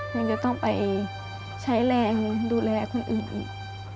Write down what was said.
มันจะต้องไปใช้แรงดูแลคนอื่นอีก